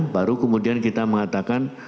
baru kemudian kita mengatakan